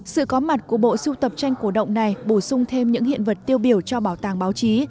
sự có mặt của bộ sưu tập tranh cổ động này bổ sung thêm những hiện vật tiêu biểu cho bảo tàng báo chí